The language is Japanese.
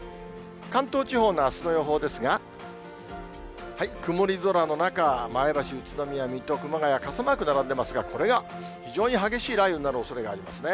関東地方のあすの予報ですが、曇り空の中、前橋、宇都宮、水戸、熊谷、傘マーク並んでますが、これが非常に激しい雷雨になるおそれがありますね。